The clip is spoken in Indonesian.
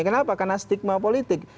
kenapa karena stigma politik